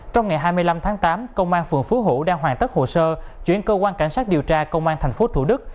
trong ngày hai mươi năm tháng tám công an phường phú hữu đang hoàn tất hồ sơ chuyển cơ quan cảnh sát điều tra công an tp thủ đức